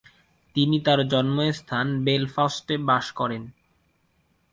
তিনি তার জন্মস্থান বেলফাস্টে বাস করেন।